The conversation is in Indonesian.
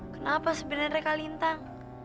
kenapa sebenernya mereka lintang